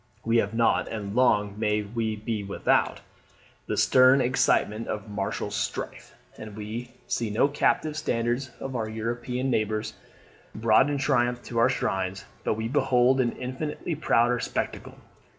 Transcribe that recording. We have not (and long may we be without) the stern excitement of martial strife, and we see no captive standards of our European neighbours brought in triumph to our shrines. But we behold an infinitely prouder spectacle.